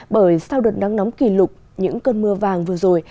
bởi sau đợt nắng nóng kỷ lục những cơn mưa vàng vừa rồi